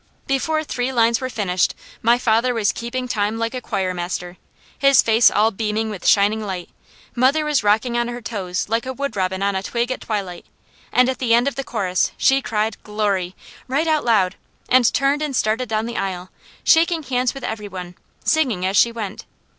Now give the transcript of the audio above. Before three lines were finished my father was keeping time like a choirmaster, his face all beaming with shining light; mother was rocking on her toes like a wood robin on a twig at twilight, and at the end of the chorus she cried "Glory!" right out loud, and turned and started down the aisle, shaking hands with every one, singing as she went.